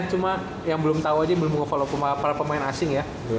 cuma yang belum tau aja belum nge follow para pemain asing ya